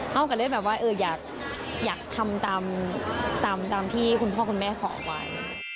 เข้ากันเลยแบบว่าอยากทำตามที่คุณพ่อคุณแม่ขอไว้